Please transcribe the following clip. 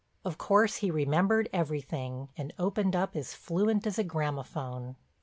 Of course he remembered everything, and opened up as fluent as a gramophone.